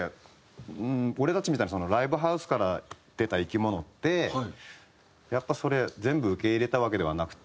俺たちみたいなライブハウスから出た生き物ってやっぱそれ全部受け入れたわけではなくて。